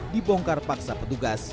dibongkar paksa petugas